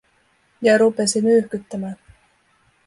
Ja rupesi nyyhkyttämään.